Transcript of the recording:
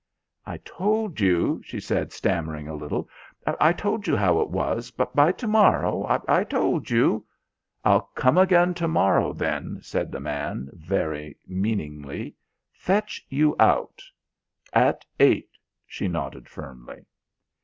"I told you," she said, stammering a little, "I told you how it was. By to morrow ... I told you...." "I'll come again, to morrow, then," said the man very meaningly, "fetch you out " "At eight," she nodded firmly.